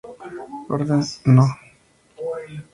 Orden No.